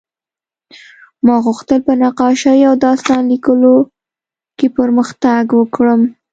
ما غوښتل په نقاشۍ او داستان لیکلو کې پرمختګ وکړم